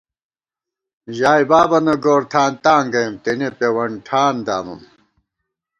ژائےبابَنہ گورتھانتاں گَئیم، تېنے پېوَن ٹھان دامُوم